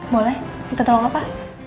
boleh minta tolong apa